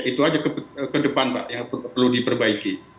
itu aja ke depan pak yang perlu diperbaiki